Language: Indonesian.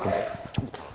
kalian jangan ribut disini